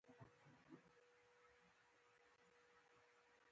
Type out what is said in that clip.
آیا پانګوال په کارګرانو باندې خپل زړه سوځوي